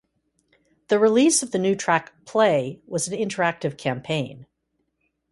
The release of the new track "Play" was an interactive campaign.